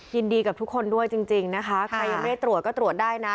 ยินดีกับทุกคนด้วยจริงนะคะใครยังไม่ตรวจก็ตรวจได้นะ